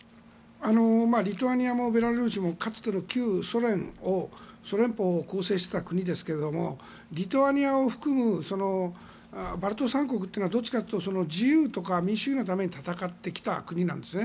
リトアニアもベラルーシもかつての旧ソ連邦を構成していた国ですがリトアニアを含むバルト三国はどちらかというと自由とか民主主義のために戦ってきた国なんですね。